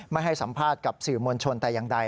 ไม่ให้สัมภาษณ์กับสื่อมวลชนแต่อย่างใด